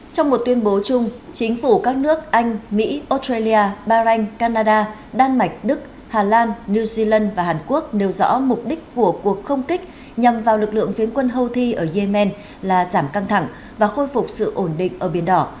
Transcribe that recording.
trong một tuyên bố chung chính phủ các nước anh mỹ australia bahrain canada đan mạch đức hà lan new zealand và hàn quốc nêu rõ mục đích của cuộc không kích nhằm vào lực lượng phiến quân houthi ở yemen là giảm căng thẳng và khôi phục sự ổn định ở biển đỏ